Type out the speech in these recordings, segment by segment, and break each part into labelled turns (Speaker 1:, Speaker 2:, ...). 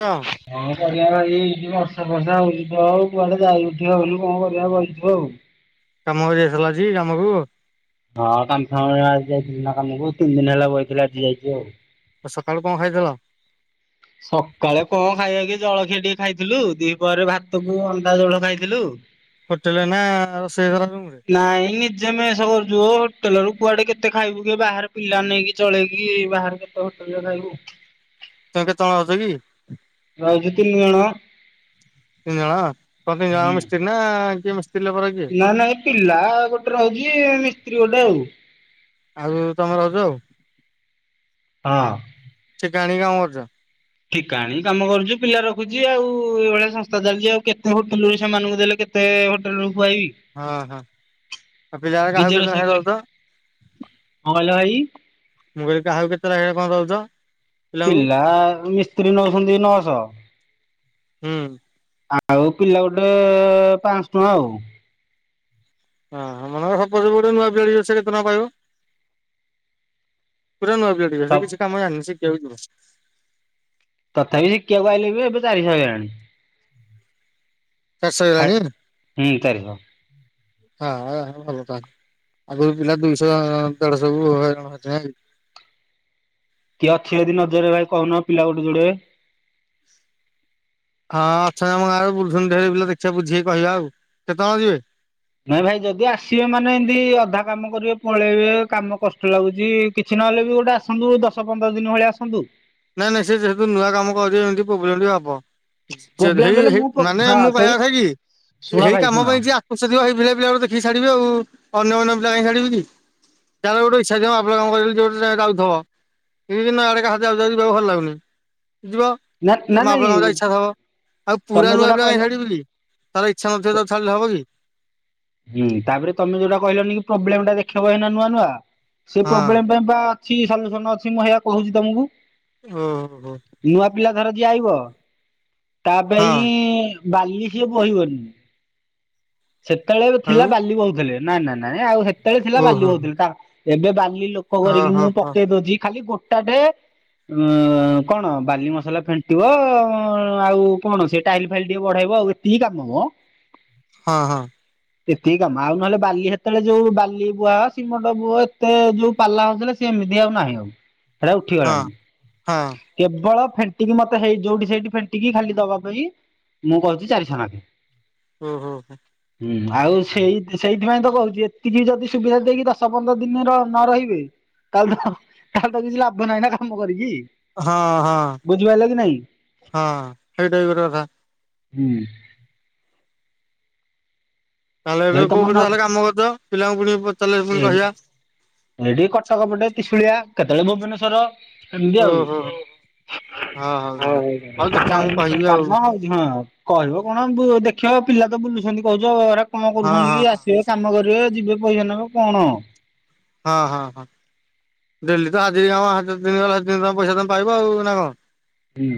Speaker 1: ୟ୍।
Speaker 2: କଣ କରିବା ଭାଇ ଏଇଠି ବର୍ଷା ଫର୍ଷା ହଉଚି ତ। ଆଉ କୁଆଡେ ଯାଇ ଉଠି ହଉନି କଣ କରିବା ବଇଚୁ ଆଉ।
Speaker 1: କାମ କରି ଯାଇଥିଲ ଆଜି କାମକୁ?
Speaker 2: ହଁ କାମ ଫାମ ଆ ଯାଇଥିଲି ନା କାମକୁ ତିନି ଦିନ ହେଲା ବଇଥିଲି ଆଜି ଯାଇଚି ଆଉ।
Speaker 1: ଅ ସକାଳୁ କଣ ଖାଇଥିଲ?
Speaker 2: ସକାଳେ କଣ ଖାଇବା କି ଜଳଖିଆ ଟିକେ ଖାଇଥିଲୁ। ଦି ପହରେ ଭାତକୁ ଅଣ୍ଡା ଝୋଳ ଖାଇଥିଲୁ।
Speaker 1: ହୋଟେଲ ନା ରୋଷେଇ କଲ ରୁମ ରେ?
Speaker 2: ନାଇଁ ନିଜେ ମେଷ କରୁଚୁ ଓ ହୋଟେଲ ରୁ କୁଆଡେ କେତେ ଖାଇବୁ କିଏ ବାହାରେ ପିଲା ନେଇକି ଚଳେଇକି ବାହାର କେ କେତେ ହୋଟେଲ ରେ ଖାଇବୁ?
Speaker 1: ତମେ କେତେ ଜଣ ଅଛ କି?
Speaker 2: ରହୁଚୁ ତିନ ଜଣ।
Speaker 1: ତିନି ଜଣ କଣ ତିନି ଜଣ
Speaker 2: ହୁଁ।
Speaker 1: ମିସ୍ତ୍ରୀ ନା କିଏ ମିସ୍ତ୍ରୀ ଲୋକ ରହି
Speaker 2: ନା ନା ନାଇଁ ପିଲା ଗୋଟେ ରହୁଚି ମିସ୍ତ୍ରୀ ଗୋଟେ ଆଉ।
Speaker 1: ଆଉ ତମେ ରହୁଚ ଆଉ।
Speaker 2: ହଁ।
Speaker 1: ଠିକା ଆଣି କାମ କରୁଚ?
Speaker 2: ଠିକା ଆଣି କାମ କରୁଚୁ ପିଲା ରଖୁଚି ଆଉ। ଏଇ ଭଳିଆ ସଂସ୍ଥା ଚାଲିଚି ଆଉ କେତେ ହୋଟେଲୁ ସେମାନଙ୍କୁ ଦେଲେ କେତ ତେ ହୋଟେଲ ରୁ ଖୁଆଇବି।
Speaker 1: ହଁ ହଁ ଆଉ ପିଲା
Speaker 2: ନିଜେ
Speaker 1: କାହାକୁ କେତେ
Speaker 2: ରୋଷେଇ
Speaker 1: ନେଖା
Speaker 2: କରି
Speaker 1: ଦଉଚ?
Speaker 2: କଣ କହିଲ ଭାଇ
Speaker 1: ମୁଁ କହିଲି କାହାକୁ କେତେ ନେଖା କଣ ଦଉଚ?
Speaker 2: ପିଲା ମିସ୍ତ୍ରୀ ନଉଚନ୍ତି ନଅଶହ।
Speaker 1: ହୁଁ।
Speaker 2: ଆଉ ପିଲା ଗୋଟେ ପାଆଁଶ ଟଙ୍କା ଆଉ।
Speaker 1: ହଁ ମନେକର ସପୋଜ ଗୋଟେ ନୂଆ ପିଲାଟି ଆସିବ। ସେ କେତେ ଟଙ୍କା ପାଇବ? ପୁରା ନୂଆ ପିଲାଟି ବି ଆସିବ। ସେ
Speaker 2: ଆଉ
Speaker 1: କିଛି କାମ ଜାନି ଶିଖିବାକୁ ଯିବ।
Speaker 2: ତଥାପି ଶିଖିବାକୁ ଆଇଲେ ବି ଏବେ ଚାରିଶହ ହେଇଗଲାଣି।
Speaker 1: ଚାରିଶ
Speaker 2: ଖାଇ
Speaker 1: ହେଇଗଲାଣି?
Speaker 2: ହୁଁ ଚାରିଶହ
Speaker 1: ହଁ ଅଁ ଭଲ ତା ହେଲେ ଆଗରୁ ପିଲା ଦୁଇଶହ ଦେଢଶହ କୁ ହଇରାଣ ହଉଚି ନାହିଁ କି?
Speaker 2: କିଏ ଅଛି ଦି ନଜରରେ ଭାଇ କହୁନ ପିଲା ଗୋଟେ ଯୋଡେ।
Speaker 1: ହଁ ଅଛନ୍ତି ଆମ ଗାଁ ରେ ବୁଲଚନ୍ତି ଢେରେ ପିଲା ଦେଖିବା ବୁଝିକି କହିବା ଆଉ। କେତେ ଜଣ ଯିବେ?
Speaker 2: ନାଇଁ ଭାଇ ଯଦି ଆସିବେ ମାନେ ଏମିତି ଅଧା କାମ କରିବେ ପଳେଇବେ କାମ କଷ୍ଟ ଲାଗୁଚି। କିଛି ନହେଲେ ବି ଗୋଟେ ଆସନ୍ତୁ ଦଶ ପନ୍ଦର ଦିନ ଭଳିଆ ଆସନ୍ତୁ।
Speaker 1: ନାଇଁ ନାଇଁ ସେ ଯେହେତୁ ନୂଆ କାମ କରୁଚି ଏମିତି ପ୍ରୋବ୍ଲେମ ବି ହେବ। [unintelligible]
Speaker 2: ପ୍ରୋବ୍ଲେମ
Speaker 1: ହେଇ
Speaker 2: ବେଲେ
Speaker 1: ହେଇ
Speaker 2: ମୁଁ
Speaker 1: ମାନେ
Speaker 2: ହଁ
Speaker 1: ମୋ
Speaker 2: ସେଇ
Speaker 1: କଥା କି
Speaker 2: ଶୁଣ
Speaker 1: ହେଇ
Speaker 2: ଭାଇ ଶୁଣ
Speaker 1: କାମ ପାଇଁ ଯିଏ ଆ [unintelligible] ଭାଇ ବୁଲା ପିଲାକୁ ଦେଖି ଛାଡିବି ଆଉ ଅନ୍ୟ ମାନ ପିଲା କାଇଁ ଛାଡ଼ିବି କି? ଯାର ଗୋଟେ ଇଛା ଯାଉ ଆପଣ କୁ ଯୋ ଯାଉଥିବ ଏମି ନା ଦିନ ହାତେ ଯାଉ ଯଦି ତାକୁ ଭଲ ଲାଗୁନି ଯିବ
Speaker 2: ନା ନା
Speaker 1: ମାଆ ବାପାଙ୍କ
Speaker 2: ନାଇଁ
Speaker 1: ଯା ଇଚ୍ଛା ଥିବ। ଆଉ ପୁରା
Speaker 2: ତମେ
Speaker 1: ନୂଆ
Speaker 2: ଯୋଉଟା
Speaker 1: ପିଲା କାଇଁ
Speaker 2: କହିଲ
Speaker 1: ଛାଡିବି କି ଯାର ଇଚ୍ଛା ନଥିବ ତାକୁ ଛାଡିଲେ ହବ କି?
Speaker 2: ହୁଁ ତା ପରେ ତମେ ଯୋଉଟା କହିଲନି କି ପ୍ରୋବ୍ଲେମ ଟା ଦେଖେଇବ ହେ ନୂଆ ନୂଆ ସେ
Speaker 1: ହଁ
Speaker 2: ପ୍ରୋବ୍ଲେମ ପାଇଁ ପା ଛି ସଲୁସନ ଅଛି ମୁଁ ଏୟଆ କହୁଛି ତମକୁ।
Speaker 1: ଓହୋ।
Speaker 2: ନୂଆ ପିଲା ଧର ଯିଏ ଆଇବ ତା
Speaker 1: ହଁ
Speaker 2: ପାଇଁ ବାଲି ସିଏ ବୋହିବନି। ସେତେବେଳେ ରେ
Speaker 1: ଆଉ
Speaker 2: ଥିଲା ବାଲି ବୋହୁଥିଲେ। ନା ନା ନାଇଁ ଆଉ ସେତେବେଳେ ଥିଲା ବାଲି
Speaker 1: ଓହୋ
Speaker 2: ବୋହୁଥିଲେ ତା ଏବେ ବାଲି ଲୋକ ଲୋକ କରିକି
Speaker 1: ଓହୋ
Speaker 2: ମୁଁ
Speaker 1: ହଁ
Speaker 2: ପକେଇ ଦଉଚି। ଖାଲି ଗୋଟା ଟେ ଏଁ କଣ ବାଲି ମସଲା ଫେଣ୍ଟିବ ଆଉ କଣ ସେ ଟାଇଲ ଫାଇଲ ଟିକେ ବଢେଇବ ଆଉ ଏତିକ ହିଁ କାମ ବା।
Speaker 1: ହଁ ହଁ
Speaker 2: ଏତିକି କାମ ଆଉ ନହେଲେ ବାଲି ସେତେବେଳେ ଯୋଉ ବାଲି ବୁହା, ସିମଟ ବୁହ, ଏତେ ଯୋଉ ପାଲା ହଉଥିଲେ ଏମିତି ଆଉ ନାହିଁ ଆଉ, ସେଟା
Speaker 1: ହଁ
Speaker 2: ଉଠିଗଲାଣି।
Speaker 1: ହଁ।
Speaker 2: କେବଳ ଫେଣ୍ଟିକି ମତେ ହେଇ ଯୋଉଠି ସେଇଠି ଫେଣ୍ଟିକି ଖାଲି ଦବା ପାଇଁ ମୁଁ କହୁଛି ଚାରିଶ ଲାଖେ
Speaker 1: ହଁ ହଁ ହଁ
Speaker 2: ହୁଁ ଆଉ ସେଇ ସେଇଥିପାଇଁ ତ କହୁଛି ଏତିକି ଯଦି ସୁବିଧା ଦେଇକି ଦଶ ପନ୍ଦର ଦିନରେ ନ ରହିବେ ତାହାଲେତ ତାହାଲେ ତ କିଛି ଲାଭ ନହିଁ ନା କାମ କରିକି।
Speaker 1: ହଁ ହଁ
Speaker 2: ବୁଝିପାରିଲ କି ନାଇଁ
Speaker 1: ହଁ ସେଇଟା ଏ ଗୋଟେ କଥା।
Speaker 2: ହୁଁ
Speaker 1: ତାହେଲେ ଏବେ
Speaker 2: ଯଦି ତମର ନ
Speaker 1: କୋଉଠଟି ତାହେଲେ କାମ କରିଦ ପିଲାଙ୍କୁ ପୁଣି ପଚାରିଲେ ପୁଣି କହିବା।
Speaker 2: ଏଇଠି କଟକ ପଟେ ତିସୁଳିଆ କେତେବେଳେ ଭୁବନେଶ୍ୱର। ସେମିତି
Speaker 1: ଓହୋ
Speaker 2: ଆଉଉ
Speaker 1: ହଁ ହଉ
Speaker 2: ଆଉ।
Speaker 1: ହଉ ଦେଖିବା ମୁଁ କହିବି ଆଉ
Speaker 2: ହଁ କହିବ କଣ ଦେଖିବ ପିଲା ତ ବୁଲୁଛନ୍ତି କହୁଛ ହେରା କଣ କରୁଛନ୍ତି କି?
Speaker 1: ହଁ।
Speaker 2: ଆସିବ କାମ କରିବେ ଯିବେ ପଇସା ନେବେ କଣ?
Speaker 1: ହଁ ହଁ ହଁ ଡେଲି ତ [unintelligible] ଦିନ ଗଲେ ଦିନ ପଇସା ତମେ ପାଇବ ଆଉ ନା କଣ?
Speaker 2: ହୁଁ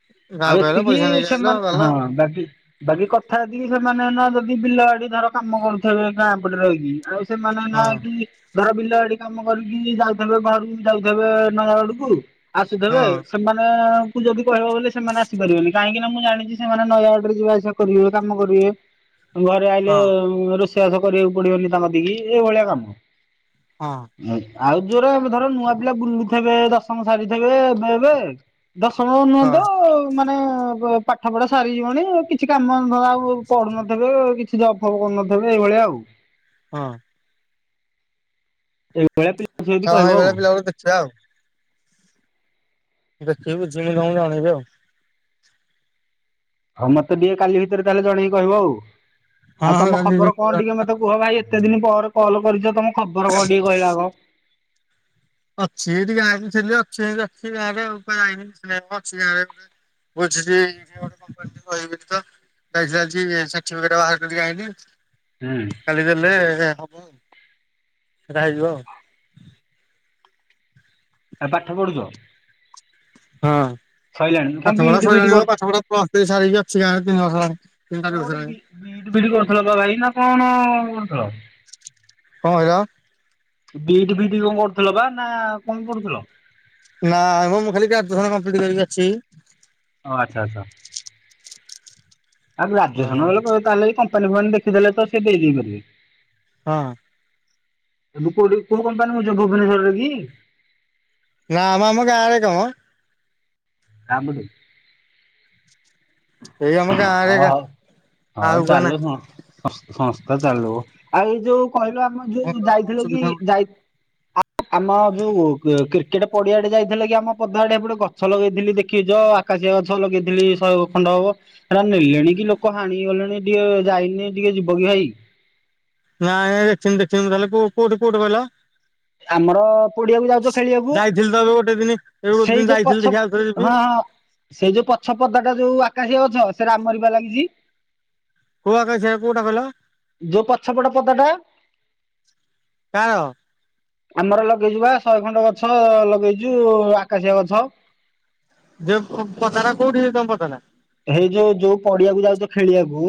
Speaker 1: [inaudible]
Speaker 2: ଆଉ ଏତିକି
Speaker 1: ପଇସା ନେଇକି ଆଇଲ
Speaker 2: ସେମାନ
Speaker 1: ଗଲ
Speaker 2: ହଁ ବାକି ବାକି କଥା ହେତିକି ସେମାନେ ନା ଯଦି ବିଲ ଆଡି ଧର କାମ କରୁଥିବେ ଗାଁ ପଟରେ ରହିକି ଆଉ ସେମାନେ
Speaker 1: ହଁ
Speaker 2: ନାହାନ୍ତି। ଧର ବିଲ ଆଡି କାମ କରିକି ଯାଉଥିବେ ଘରକୁ ଯାଉଥିବେ ନ ଆଡକୁ ଆସୁଥିବେ।
Speaker 1: ହଁ
Speaker 2: ସେମାନେଙ୍କୁୁ ଯଦି କହିବା ବୋଲେ ସେମାନେ ଆସି ପାରିବେନି କାହିଁକିନା ମୁଁ ଜାଣିଛି ସେମାନେ ନୟାଗଡରେ ଯିବା ଆସିବା କରିବେ କାମ କରିବେ ଘରେ
Speaker 1: ହଁ
Speaker 2: ଆଇିଲଲେ ରୋଷେଇବାସ କରିବାକୁ ପଡିବନି ତାଙ୍କ ଦେଇକି ଏଇଭଳିଆ କାମ।
Speaker 1: ହଁ
Speaker 2: ଆଉ ଯୋରା ଏବେ ଧର ନୂଆ ପିଲା ବୁଲୁଥିବବେ ଦଶମ ଶାରି ଥିବବେ ଏବେ ଏବେ [unintelligible] ତ
Speaker 1: ହଁ
Speaker 2: ମାନେ ପାଠ ପଢା ସାରିଯିବଣି, କିଛି କାମ ଆଉ ପଢୁନଥିବେ କି [unintelligible] କରିନଥବେ ଏଇଭଳି ଆଉ
Speaker 1: ହଁ ଅଁ
Speaker 2: ଏଇ ଭଳିଆ ପିଲା। ଯଦି
Speaker 1: ହଁ
Speaker 2: କହିବ ଆଉ।
Speaker 1: ସେଇଭଳିଆ ପିଲା କୁ ଦେଖିବା ଆଉ ଦେଖିବି ଯିମି ତମକୁ ଜଣେଇବୁ ଆଉ
Speaker 2: ହଁ ମତେ ଟିକେ କାଲି ଭିତରେ ତାହେଲେ ଜଣେଇକି କହିବ ଆଉ,
Speaker 1: ହଁ
Speaker 2: ଆଉ
Speaker 1: ହଁ
Speaker 2: ତମ
Speaker 1: କାଲି
Speaker 2: ଖବର କଣ ଟିକେ ମତେ କୁହ ଭାଇ ଏତେ ଦିନ ପରେ କଲ କରିଛ ତମ ଖବର କ ଟିକେ କହିଲ ଆଗ?
Speaker 1: ଅଛି ଏଠି ଗାଁରେ ଥିଲି ଅଛି, ଅଛି ଗାଁରେ ଆଉ ଅଛି ଗାଁରେ ଗୋଟେ ବୁଝିଲି ଗୋଟେ କପାନୀ କହିବି ତ ସେଇ ସକାଶେ ସାଠିପିକେଟ ବାହାର କରିକି ଆଇଁଲି।
Speaker 2: ହୁଁ ଉଁ
Speaker 1: କାଲି ଦେଲେ ହବ, ସେଇଟା ହେଇଯିବ ଆଉ
Speaker 2: ଆ ପାଠ ପଢ଼ୁଛ?
Speaker 1: ହଁ ଅଁ
Speaker 2: ସଇଲାଣି କଣ
Speaker 1: ପାଠପଢା
Speaker 2: ବିଇଡି ଫିଇଡି
Speaker 1: ସରିଲାଣିିମ,
Speaker 2: କରୁ
Speaker 1: ପାଠପଢା ପ୍ଲସ ଥ୍ରୀ ସାରିକି ଅଛି ଗାଁରେ ତିନି ବର୍ଷ ହେଲାଣିି, ତିନି ଚାରି ବର୍ଷ ହେଲାଣି।
Speaker 2: ବିଟ ବିିଟ କରୁଥିଲ ବା ଭାଇ ନା କଣ କରୁଥିଲ?
Speaker 1: କଣ କହିଲ?
Speaker 2: ବିଟ ଫିଟ କଣ କରୁଥିଲ ବା, ନା କଣ କରୁଥିଲ?
Speaker 1: ନା ମୁଁ ମୁଁ ଖାଲି ଗ୍ରାମୁଏସନ୍ କମ୍ପ୍ଲିଟ୍ କରିକି ଅଛି।
Speaker 2: ଓ ଆଛା ଆଛା, ଆଉ ଗ୍ରାଜୁଏସନ ବୋଲେ ତାହାଲେ ଏଇ [unintelligible] ଦେଖିଦେଲେ ତ ସେ ଦେଇ ପାରିବେ।
Speaker 1: ହଁ।
Speaker 2: ଏ ତୁ କୋଉଠି କୋଉ କମ୍ପାନୀ ମୁଁ ଯୋଉ ଭୁବନେଶ୍ଵରରେ କି?
Speaker 1: ନା ମୋ ଆମ ଗାଁରେ କାମ।
Speaker 2: କାମୁଡେ
Speaker 1: ଏଇ ଆମ ଗାଁରେ
Speaker 2: ହଁ
Speaker 1: ଗା- ଆଉ କୁହ ନା।
Speaker 2: ସଂ ସଂସ୍ଥା ଚାଲୁ। ଆଉ ଏ ଯୋଉ କହିଲ ଆମ ଯୋଉ ଯାଇଥିଲ କି
Speaker 1: ସୁବିଧା
Speaker 2: ଯାଇ ଆ ଆମ ଯୋଉ ଏ କ୍ରିକେଟ୍ ପଡିଆ ଆଡେ ଯାଇଥିଲ କି ଆମ ପଦା ଆଡେ। ଏପଟେ ଗଛ ଲଗେଇଥିଲି ଦେଖିଚ ଆ କାଶିଆ ଗଛ ଲଗେଇଥିଲି ଶଏ ଉ ଖଣ୍ଡ ହବ ସେଟା ନେଲେଣି କି, ଲୋକ ହାଣି ଗଲେଣି, ଟିକେ ଯାଇନି ଟିକେ ଯିବକି ଭାଇ?
Speaker 1: ନା ନାଇଁ ଦେଖିନି ଦେଖିନି ତାହେଲେ କୋଉଠି କୋଉଠ କହିଲ?
Speaker 2: ଆମର ପଡିଆକୁ ଯାଉଚ ଖେଳିବାକୁ
Speaker 1: ଯାଇଥିଲି ତ ଏବେ ଗୋଟେ ଦିନ ଏବେ ଗୋଟେ ଦିନ
Speaker 2: ସେଇ ଯୋଉ
Speaker 1: ଯାଇଥିଲି
Speaker 2: ପଛ
Speaker 1: ଦେଖିବା ଆଉଥରେ ଯିବି।
Speaker 2: ହଁ ହଁ ସେ ଯୋଉ ପଛ ପଦା ଟା ଯୋଉ ଆକାଶୀ ଗଛ ସେରା ଆମରି ବା ଲାଗିଚି।
Speaker 1: କୁହ କ ସେ କୋଉଟା କହିଲ
Speaker 2: ଯୋଉ ପଛପଟ ପଦା ଟା
Speaker 1: କାହାର?
Speaker 2: ଆମର ଲଗେଇଚୁ ବା ଶହେ ଖଣ୍ଡ ଗଛ ଲଗେଇଚୁ ଆକାଶିଆ ଗଛ।
Speaker 1: ଯୋଉ ପ-ପଦାଟା କୋଉଠି ତୋମ ପଦାଟା?
Speaker 2: ହେଇ ଯୋଉ ଯୋଉ ପଡିିଆକୁ ଯାଉଚ ଖେଳିବାକୁ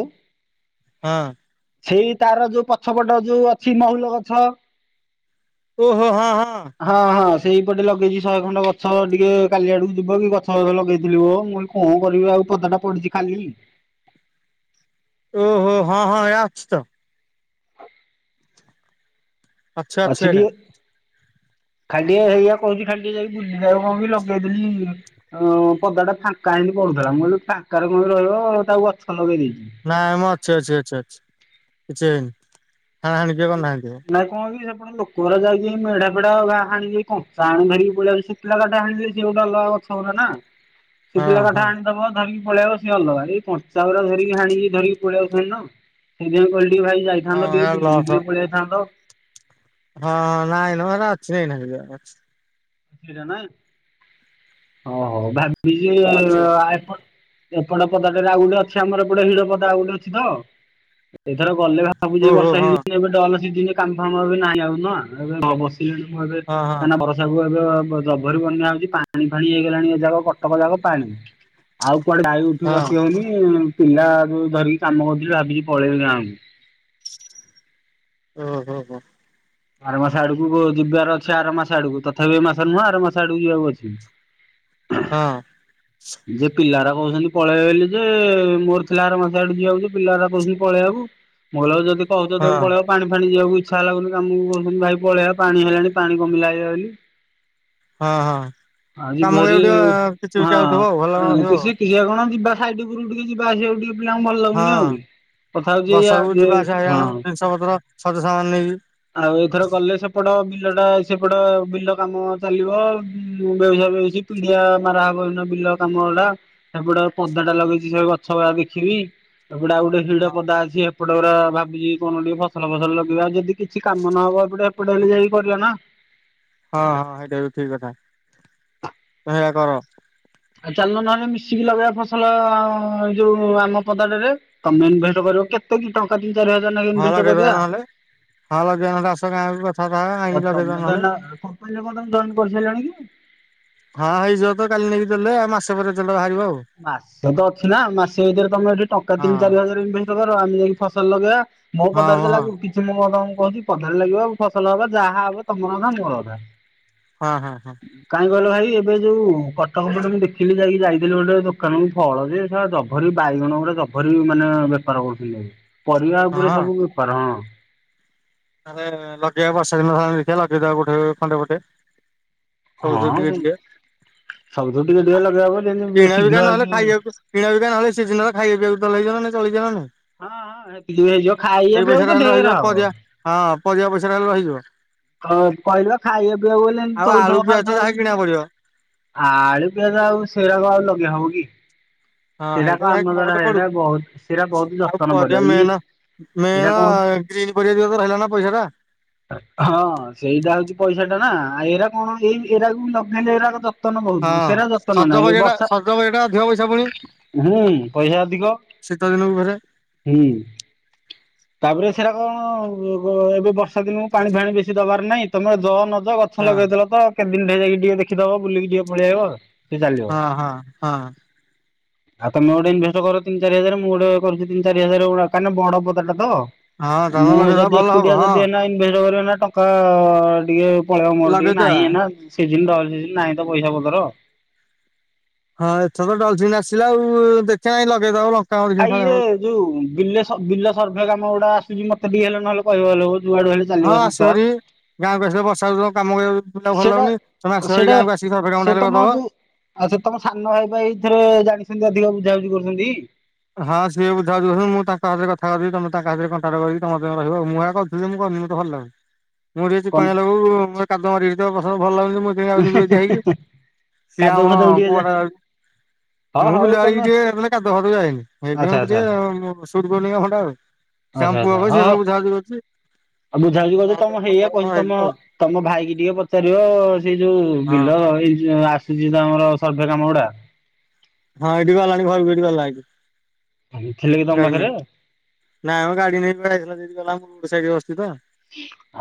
Speaker 1: ହଁ।
Speaker 2: ସେଇ ତାର ଯୋଉ ପଛପଟ ଯୋଉ ଅଛି ମହୁଲ ଗଛ।
Speaker 1: ଓହୋ, ହଁ, ହଁ।
Speaker 2: ହଁ, ହଁ ସେଇପଟେ ଲଗେଇଚି ଶହେ ଖଣ୍ଡ ଗଛ ଟିକେ କାଲି ଆଡକୁ ଯିବ କି ଗଛ ଗୁରା ଲଗେଇଥିଲି ବ। ମୁଁ କଣ କରିବି ଆଉ ପଦ ଟା ପଡିଚି ଖାଲି।
Speaker 1: ଓହୋ, ହଁ, ହଁ ଏ ଆଛି ତ। ଅଛି ଅଛି
Speaker 2: ଅଛିକି?
Speaker 1: ଏଇଟା
Speaker 2: ଖାଲି ଏହିଆ କହୁଚି ଖାଲି ଟିକେ ଯାଇକି ବୁଲିଆଇବ କଣ କି ଲଗେଇ ଦେଲି। ଅଁ, ପଦା ଟା ଫାଙ୍କା ଏମତି ପଡୁଥିଲା ମୁଁ କହିଲି ଫାଙ୍କାରେ କଣ ରହିବ ତାକୁ ଗଛ ଲଗେଇ ଦେଇଚି।
Speaker 1: ନା ମୋ ଅଛି, ଅଛି, ଅଛି, ଅଛି କିଛି ହେଇନି। ହାଣା ହାଣି କିଏ କରିନାହାନ୍ତି
Speaker 2: ନା ଏ କଣ କି ସେପଟ ଲୋ କୋଡା ଯାଇକି ମେଢା ଫେଢା ଅ, ହା ହାଣିିକି ଏଇ କଞ୍ଚା ଆଣି ଧରିକି ପଳେଇ ଆସୁଛି। ଶୁଖିଲା କାଠ ହାଣିଦେଇଛି ଗୋଟେ ଅଲଗା ଗଛ ଗଲା ନା।
Speaker 1: ହଁ
Speaker 2: ଶୁଖିଲା କାଠ
Speaker 1: ହଁ
Speaker 2: ଆଣିଦବ। ଧରିକି ପଳେଆଇବ ସିଏ ଅଲଗା ଏଇ କଞ୍ଚା ଗୁଡା ଧରିକି ହାଣିକି ଧରିକି ପଳେଇଆଉଛନ୍ତି ନା, ସେଇଥିପାଇଁ କହିଲି ଟିକେ ଭାଇ ଯାଇ
Speaker 1: ହଁ
Speaker 2: ଥାନ୍ତ
Speaker 1: ହେ
Speaker 2: ଟିକେ ବୁଲିକି
Speaker 1: ଲସ
Speaker 2: ଟିକେ ପଳିଆଇଥାନ୍ତ।
Speaker 1: ହଁ ନାଇଁନ ହେରା ଅଛି ନେଇ ନାହାନ୍ତି କିଏ ଅଛି।
Speaker 2: ଦେଖିଚ ନା, ହଁ ହଉ ଭାବିଚି
Speaker 1: ଅଛି
Speaker 2: ଅ, ଆ, ଏପ ଏପଟ ପଦାଟା ରେ ଆଉ ଗୁଟେ ଅଛି ଆମର ଏପଟେ ହିଡ ପଦା ଆଉ ଗୁଟେ ଅଛି ତ। ଏଇଥର ଗଲେ ଭାବୁଚି ଏଇ
Speaker 1: ଓହୋ
Speaker 2: ବର୍ଷା
Speaker 1: ହଁ
Speaker 2: ସିିଜିନ ଏବେ ଡଲ ସିିଜିନ ଏ କାମ ଫାମ ଏବେ ନାହିଁ ଆଉ ନା ଏବେ ଘ ବସ ଏଣୁ ମୋତେ
Speaker 1: ହଁ ହଁ
Speaker 2: କାଇଁକି ନା ବରଷ ଏଠାକୁ ଏବେ ବ-ଜଭରି ବନ୍ୟା ହଉଚି ପାଣି ଫାଣି ହେଇଗଲାଣି ଏ ଯାକ କଟକ ଯାକ ପାଣି। ଆଉ କୁଆଡେ ଯାଇ ଉଠି
Speaker 1: ହଁ
Speaker 2: ବସି ହଉନି ପିଲା ଯୋଉ ଧରିକି କାମ କରୁଥିଲି ଭାବିକି ପଳେଇଲେ ଗାଁକୁ।
Speaker 1: ଓ ହୋ, ହଁ।
Speaker 2: ଆର ମାସ ଆଡକୁ ଯିବାର ଅଛି, ଆର ମାସ ଆଡକୁ ତଥାପି ଏ ମାସ ନୁହଁ ଆର ମାସ ଆଡକୁ ଯିବାକୁ ଅଛି।
Speaker 1: ହଁ।
Speaker 2: ଯେ ପିଲାରାରା କହୁଛନ୍ତି ପଳେଇବେ ବୋଲେ ଯେ ମୋର ଥିଲା ଆର ମାସ ଆଡୁ ଯିବାକୁ ଯେ ପିଲାରା କହୁଛନ୍ତି ପଳେଇବାକୁ। ମୁଁ କହିଲି ହଉ ଯଦି କହୁଚ ତୋମେ
Speaker 1: ହଁ
Speaker 2: ପଳେଇବ ପାଣି ଫାଣି ଯିବାକୁ ଇଚ୍ଛା ଲାଗୁନି। ଏ ଆମକୁ କହୁଛନ୍ତି ଭାଇ ପଳେଇବା ପାଣି ହେଲାଣି ପାଣି କମିଲେ ଆଇବା ବୋଲି।
Speaker 1: ହଁ, ହଁ
Speaker 2: ଆଉ ଯିବୁ
Speaker 1: କାମ
Speaker 2: ଭାରି
Speaker 1: କରିବାକୁ ଟିକେ କିଛି କିଚା ହଉଥିବ ଆଉ ଭଲ ନଥିବ।
Speaker 2: ଟିକେ କଣ ଯିବା ସାଇଡ୍ ଉପୁରୁକୁ ଟିକେ ଯିବା ଆସିବାକୁ ଟିକେ ପିଲାଙ୍କୁ ଭଲ ଲାଗୁନି
Speaker 1: ହଁ।
Speaker 2: ଆଉ କଥା ହଉଚି ଏଇଆ
Speaker 1: ବର୍ଷାକୁ
Speaker 2: ଯେ
Speaker 1: ଯିବା ଆସିବା ହଇରାଣ
Speaker 2: ହଁ,
Speaker 1: ଜିନିଷ ପତ୍ର ସଜ ସାମାନ ନେଇକି
Speaker 2: ଆଉ ଏଥର ଗଲେ ସେପଟ ବିଲ ଟା ସେପଟ ବିଲ କାମ ଚାଲିବ ବ୍ୟଉସା ବ୍ୟଉସି ତୁଣ୍ଡିଆ ମାରା ହବ ବିଲ କାମ ହେଲା ସେପଟେ ପଦା ଟା ଲଗେଇଛି ସେ ଗଛ ବା ଦେଖିବି ଏପଟେ ଆଉ ଗୋଟେ ହିଡ ପଦା ଅଛି ଏପଟ ଗୁରା ଭାବିଛିି କଣ ଟିକେ ଫସଲ ଫସଲ ଲଗେଇବା ଯଦି କିଛି କାମ ନ ହବ ଏପଟେ ହେପଟେ ହେଲେ ଯାଇକି କରିଲା ନା
Speaker 1: ହଁହଁ ଏଇଟା ବି ଠିକ କଥା। ତମେ ସେଇଆ କର।
Speaker 2: ଆଉ ଚାଲୁନ ନହେଲେ ମିଶିକି ଲଗେଇବା ଫସଲ ଯୋଉ ଆମ ପଦାଟାରେ। ତମେ ଇନଭେଷ୍ଟ କରିବ କେତେ କି ଟଙ୍କା ଦି, ଚାରି ହଜାର ନେଖା
Speaker 1: ହଁ
Speaker 2: ଇନଭେଷ୍ଟ
Speaker 1: ଲଗେଇଦବା
Speaker 2: କରିବା।
Speaker 1: ନହେଲେ। ହଁ, ଲଗେଇବା ନହେଲେ ଆସ ଗାଁ କଥାବାର୍ତା ହେବା, ଆଣିକି ଲଗେଇ ଦବା ନହେଲେ।
Speaker 2: କହିଲେ କଣ ତମେ ଜଏନ୍ କରିସାରିଲଣି କି?
Speaker 1: ହଁ, ହେଇଯିବ ତ କାଲି ନେଇକି ଦେଲେ ଆଉ ମାସ ପରେ ରେଜଲ୍ଟ ବାହାରିବ ଆଉ।
Speaker 2: ମାସେ ତ ଅଛି ନା, ମାସେ ଭିତରେ ତମେ ଏଠି ଟଙ୍କା ତିନି,
Speaker 1: ଆଉ
Speaker 2: ଚାରି ହଜାର ଇନଭେଷ୍ଟ କର ଆମେ ଯାଇକି ଫସଲ ଲଗେଇବା। ମୋ
Speaker 1: ହଁ
Speaker 2: ପଦାରେ
Speaker 1: ହଁ
Speaker 2: ତ
Speaker 1: ହଁ
Speaker 2: ଲାଗୁ କିଛି ମୁଁ କଣ କହୁଛି ପଦାରେ ଲାଗିବ ଫସଲ ହବ ଯାହା ହବ ତମର ଅଧା ମୋର ଅଧା।
Speaker 1: ହଁ, ହଁ, ହଁ।
Speaker 2: କାହିଁ କହିଲ ଭାଇ ଏବେ ଯୋଉ କଟକ ପଟେ ମୁଁ ଦେଖିଲି ଯାଇକି ଯାଇଥିଲି ଗୋଟେ ଦୋକାନକୁ ଫଳ ଯେ ଶଳା ଜଭରି ବାଇଗଣ ଗୁଡା ଜଭରି ମାନେ ବେପାର କରୁଥିଲେ। ପରିବା ଉପରେ
Speaker 1: ହଁ
Speaker 2: ସବୁ ବେପାର ହଁ।
Speaker 1: ତାହେଲେ ଲଗେଇବା ବର୍ଷା ଦିନ ହେଲେ ଦେଖିବା ଲଗେଇଦବା କଉଠି ଖଣ୍ଡେ ଗୋଟେ ସବୁ ଥୀରୁ ଟିକେ
Speaker 2: ହଁ
Speaker 1: ଟିକେ
Speaker 2: ସବୁଥିରୁ ଟିକେ ଟିକେ ଲଗେଇବ ଯେମିତି
Speaker 1: କିଣା
Speaker 2: ଶୀଘ୍ର
Speaker 1: ବିିକା ନହେଲେ
Speaker 2: ହେଇକି
Speaker 1: ଖାଇବାକୁ କିଣା ବିକା ନହେଲେ ସେ ଦିନ ଖାଇବା ପିଇବାକୁ [unintelligible] ଚଳି
Speaker 2: ହଁ, ହଁ ହେତିକିରେ ହେଇଯିବ ଖାଇବା ପିଇବାକୁ
Speaker 1: ହେଲେ
Speaker 2: ତ
Speaker 1: ରହିଯିବ
Speaker 2: ଢେର ହବ।
Speaker 1: ପରିବା ହଁ, ପରିବା ପଇସା ଟା ହେଲେ ରହିଯିବ।
Speaker 2: ହଉ କହିଲ ଖାଇବା ପିଇବାକୁ ହେଲେ
Speaker 1: ଆଉ ଆଳୁ
Speaker 2: ତଳୁତ
Speaker 1: ପିଆଜ
Speaker 2: ଖାଉ
Speaker 1: ତ
Speaker 2: ଧ
Speaker 1: ଯାହା କିଣା
Speaker 2: ଯି
Speaker 1: ପଡିବ
Speaker 2: ଆ ଆଳୁ ପିଆଜ ଆଉ ସେରାକ ଆଉ ଲଗେଇଆ ହବ କି?
Speaker 1: ହଁ ହେଇଟା
Speaker 2: ସେଟାକ
Speaker 1: ଯାହା
Speaker 2: ଆମ
Speaker 1: କିଣା
Speaker 2: ଦ୍ଵାରା
Speaker 1: ପଇଲେ ପଡୁ
Speaker 2: ସେଇଟା ବହୁତ ସେଟା ବହୁତ ଯତ୍ନ ପାରିବା।
Speaker 1: [unintelligible] ମେନ୍ ଗ୍ରୀନ ପାରିବ ତିକ ହେଲା ନା ପଇସାଟା।
Speaker 2: ହଁ ସେଇଟା ହଉଛି ପଇସା ଟା ନା ଆଉ ଏରା କଣ ଏଇ ଏରାକୁ ଲଗେଇଲେ ଏରାକ ଯ ଯତ୍ନ ବହୁତୁ
Speaker 1: ହଁ
Speaker 2: ସେଟା ଯତ୍ନ
Speaker 1: ସଜ
Speaker 2: ନହିଁ
Speaker 1: ପରିବା ଟା
Speaker 2: ବର୍ଷା
Speaker 1: ସଜ ପରିବା ଟା ଅଧିକ ପଇସା ପୁଣି
Speaker 2: ହୁଁ ପଇସା ଅଧିକ।
Speaker 1: ଶୀତ ଦିନକୁ ଘରେ
Speaker 2: ହୁଁ ତାପରେ ସେଟା କଣ ଏବେ ବର୍ଷା ଦିନୁ ପାଣି ଫାଣି ବେଶୀ ଦବାର ନାହିଁ ତମେ ଜ ନଜ ଗଛ
Speaker 1: ହଁ
Speaker 2: ଲଗେଇଦେଲ ତ କେତେ ଦିନ ଯାଇକି ଟିକେ ଦେଖିଦବ ବୁଲିକି ଟିକେ ପଳେଇଆସିବ ସିଏ ଚାଲିଯିବ।
Speaker 1: ହଁ ହଁ ହଁ
Speaker 2: ଆଉ ତମେ ଗୋଟେ ଇନଭେଷ୍ଟ କର ତିନି, ଚାରି ହଜାର ମୁଁ ଗୋଟେ କରୁଚି ତିନି, ଚାରି ହଜାର କାରଣ ବଡ଼ ପଦାଟା ତ।
Speaker 1: ହଁ ଧାନ
Speaker 2: ମୁଁ
Speaker 1: ଲଗେଇଦବା
Speaker 2: ଯଦି
Speaker 1: ଭଲ ହବ
Speaker 2: ଏକୁଟିଆ
Speaker 1: ହଁ
Speaker 2: ଯଦି ଏଇନା ଇନ୍ କରିବ ନା ଟଙ୍କା ଟିକେ ପଳେଇବ ମୋର ଟିକେ
Speaker 1: ଲଗେଇଦବା
Speaker 2: ନାହିଁ ଏନା ସେଦିନ ରହିଚି ନାହିଁ ତ ପଇସା ପତର।
Speaker 1: ହଁ, ଏଥର ଡଲଚିନ୍ ଆସିଲା ଆଉ ଦେଖାଆଁ ଲଗେଇଦବ
Speaker 2: ଆ ଇଏ ଯୋଉ ବିଲେ ବିଲ ସର୍ଭେ କାମ ଗୁଡା ଆସୁଛି ମତେ ଟିକ ହେଲେ ନହେଲେ କହିବ ହେଲେ ହଉ ଯୁଆଡୁ ହେଲେ ଚାଲିବ
Speaker 1: ହଁ,
Speaker 2: ସଂସ୍ଥା
Speaker 1: ସରି ଗାଁକୁ ଆସିଲେ ବର୍ଷା ଯଉ କାମ କର ପିଲାକୁ ଭଲ
Speaker 2: ସେଇଟା
Speaker 1: ଲାଗୁନି [unintelligible]
Speaker 2: ସେଇଟା
Speaker 1: ଗାଁକୁ ଆସି ଅଧେ
Speaker 2: ସେ
Speaker 1: କାମଟା ହେଲେ
Speaker 2: ତମ
Speaker 1: କରିଦେବ।
Speaker 2: ଯୋଉ ଆଉ ସେ ତମ ସାନ ଭାଇ ଭାଇ ଏଥରେ ଜାଣିଛନ୍ତି ଅଧିକ ବୁଝାବୁଝି କରୁଛନ୍ତି।
Speaker 1: ହଁ, ସିଏ ବୁଝାବୁଝି ହୁଅନ୍ତୁ ମୁଁ ତାଙ୍କ ହାତରେ କଥା କରିବି ତମ ତାଙ୍କ ହାତରେ କଣ୍ଟାରେ ରହିବି ତମେ ତମର ରହିବ ଆଉ ମୁଁ କହୁଥିଲିି ତ ଭଲ ଲାଗି ମୁଁ [unintelligible]
Speaker 2: କଣ
Speaker 1: ପାଣି ଲାଗୁ ମୋ କାଦୁଆ [unintelligible] ଭଲ ଲାଗୁଛି [unintelligible] ହେଇକି ସିଏ
Speaker 2: କାଦୁଅ
Speaker 1: ଆମ
Speaker 2: ଫାଦୁଅ ଟିକେ ଯା
Speaker 1: ପୁଅଟା
Speaker 2: ହଁ
Speaker 1: ମୁଁ
Speaker 2: ହଉ
Speaker 1: ବିଲ ବାଡ଼ିକି
Speaker 2: ତମେ
Speaker 1: ଟିକେ କାଦୁଅ ଫାଦୁଅ କୁ ଯାଇନି ଏଇଥିପାଇଁ
Speaker 2: ଆଚ୍ଛା
Speaker 1: ମତେ
Speaker 2: ଆଚ୍ଛା
Speaker 1: ଟିକେ ସୁଟ୍ କରୁନି ଖଣ୍ଡା ଆଉ। ସେ ଆମ
Speaker 2: ଆଚ୍ଛା
Speaker 1: ପୁଅ
Speaker 2: ଆଚ୍ଛା
Speaker 1: କହିବ
Speaker 2: ହ
Speaker 1: ସିଏ ସବୁ ବୁଝାବୁଝି କରୁଛି
Speaker 2: ଆଉ ବୁଝା ବୁଝି କରୁଛ ତମ ହେଇଆ କହୁଛ
Speaker 1: ହେଇଯିବ
Speaker 2: ତମ
Speaker 1: ଆଉ
Speaker 2: ତମ ଭାଇ କିି ଟିକେ ପଚାରିବ ସେ ଯୋଉ
Speaker 1: ହଁ
Speaker 2: ବିଲ ଏଇ ଆମର ସର୍ଭେ କାମ ଗୁଡା
Speaker 1: ହଁ ଏଠି ଗଲାଣି ଘରକୁ ଏଠି ଗଲାଣି
Speaker 2: ଥିଲେ କି ତମ ପାଖରେ?
Speaker 1: ନାଇଁମ ଗାଡି ନେଇକି କୁଆଡେ ଯାଇଥିଲା ଯଦି ଗଲା ଆ ରୋଡ ସାଇଡରେ ବସିଚି ତ।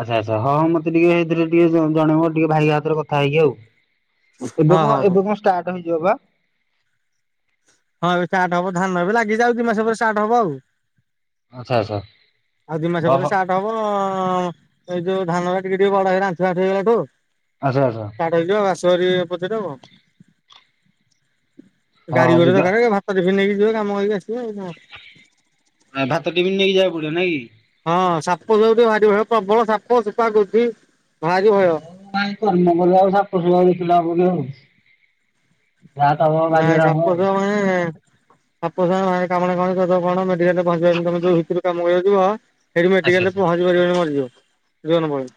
Speaker 2: ଆଚ୍ଛା ଆଚ୍ଛା ହଁ ମତେ ଟିକେ ସେଇଥିରେ ଟିକେ ଜଣେଇବ ଟିକେ ଭାଇ ହାତରେ କଥା ହେଇକି ଆଉ। ଏବେ
Speaker 1: ହଁ
Speaker 2: କଣ
Speaker 1: ହଉ ହଉ।
Speaker 2: ଏବେ କଣ ଷ୍ଟାର୍ଟ ହେଇଯିବ ବା।
Speaker 1: ହଁ ଏବେ ଷ୍ଟାଟ ହବ ଧାନ ଏବେ ଲାଗିଯାଉ ଦି ମାସ ପରେ ଷ୍ଟାର୍ଟ ହବ ଆଉ।
Speaker 2: ଆଚ୍ଛା ଆଚ୍ଛା
Speaker 1: ଆଉ ଦି ମାସ
Speaker 2: ହଁ
Speaker 1: ପରେ
Speaker 2: ହଁ
Speaker 1: ଷ୍ଟାର୍ଟ ହବ। ହ ଏଇ ଯୋଉ ଧାନଟ ଟିକେ ଟିକେ ବଡ ହେଇଗଲା ଆଠୁ ଆଠୁ ହେଇଗଲାଠୁ
Speaker 2: ଆଚ୍ଛା।
Speaker 1: ହେଇ ଘାସ
Speaker 2: ହଁ ହଁ
Speaker 1: [unintelligible]
Speaker 2: ଯିବା
Speaker 1: ଭାତ ଟିଫିନ୍ ନେଇକି ଯିବେ କାମ କରକି ଆସିବା ଆଉ କଣ।
Speaker 2: ଆ ଭାତ ଟିଫିନ୍ ନେଇକି ଯିବାକୁ ପଡିବ ନାଇଁ କି?
Speaker 1: ହଁ ସାପ ସୂପା କୁ ଟିକେ ଭାରି ଭୟ ପ୍ରବଳ ସାପ ସୁପା ଗୋଧି ଭାରି ଭୟ।
Speaker 2: କଁ କର୍ମ କରିବାବେଳୁ ଆଉ ସାପ ସୁପା ଦେଖିଲେ ଆଉ। [unintelligible] ଯାହା ତମ
Speaker 1: ନାଇଁ
Speaker 2: ଭାଗ୍ୟରେ
Speaker 1: ସାପ
Speaker 2: ହେବ
Speaker 1: ତ
Speaker 2: ଆଉ।
Speaker 1: ମାନେ ସାପ [unintelligible] କାମ କଣ କଣ ମେଡିକାଲ୍ ରେ ପହଞ୍ଚା [unintelligible] ତମେ ଯୋଉ ଭିତରେ କାମ କରାଯିବ ସେଠ
Speaker 2: ଆଚ୍ଛା
Speaker 1: ମେଡିକାଲ୍ ରେ
Speaker 2: ଆଚ୍ଛା
Speaker 1: ପହଞ୍ଚ [unintelligible] ମରିଯିବ [unintelligible]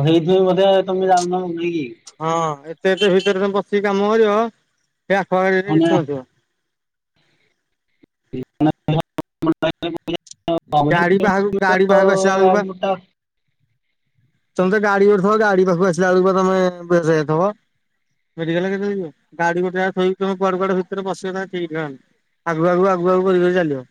Speaker 2: କହିଲି ଯେ ବୋଧେ ତମେ ଯାଉନ ମୁଁ କିଏ
Speaker 1: ହଁ ଏତେ ଏତେ ଭିତରେେ ବସିକି କାମ କରିବ ସେ ଆଖ ପାଖ
Speaker 2: ମାନେ
Speaker 1: କିଛି ନଥିବ। ଗାଡି ପାଖକୁ ଗାଡି ପାଖକୁ ଆସିଲା ବେଳକୁ ବା
Speaker 2: [unintelligible]
Speaker 1: ତମେ ତ ଗାଡି [unintelligible] ଥିବ ଗାଡି ପାଖକୁ ଆସିଲା ବେଳକୁ ତମେ ବେହୋସ ହେଇଯାଇଥିବ। ମେଡିକାଲ କେତେବେଳ ଜୀବ ଗାଡି ଗୋଟୋ ଥୋଇକି କୁଆଡେ କୁଆଡେ ଭିତରେ ବସିବା ଠିକ ଠିକଣା ନାହିଁ। ଆଗକୁ ଆଗକୁ ଆଗକୁ ଆଗକୁ କରିକ ଚାଲିବ